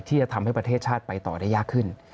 ที่จะทำให้ประเทศชาติไปต่อได้ยากขึ้น